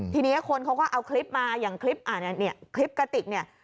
ทีนี้คนเขาก็เอาคลิปมาอย่างคลิปกระติก